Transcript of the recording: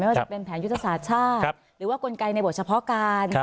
ว่าจะเป็นแผนยุทธศาสตร์ชาติหรือว่ากลไกในบทเฉพาะการ